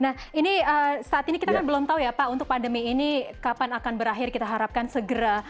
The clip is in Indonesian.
nah ini saat ini kita kan belum tahu ya pak untuk pandemi ini kapan akan berakhir kita harapkan segera